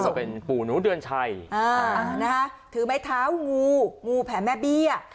ก็เป็นปู่หนูเดือนชัยถือไม้เท้างูงูแผ่แม่เบี้ย